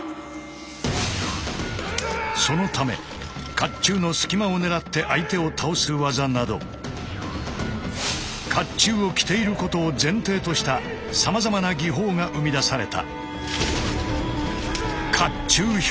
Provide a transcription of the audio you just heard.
そのため甲冑の隙間を狙って相手を倒す技など甲冑を着ていることを前提としたさまざまな技法が生み出された。